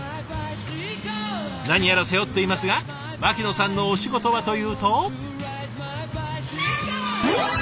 何やら背負っていますが牧野さんのお仕事はというと。